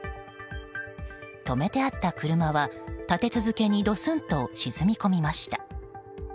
止めてあった車は立て続けにドスンと沈み込みました。